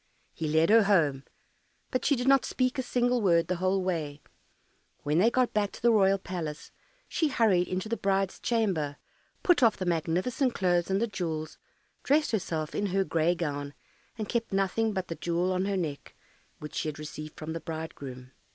He led her home, but she did not speak a single word the whole way. When they got back to the royal palace, she hurried into the bride's chamber, put off the magnificent clothes and the jewels, dressed herself in her gray gown, and kept nothing but the jewel on her neck, which she had received from the bridegroom.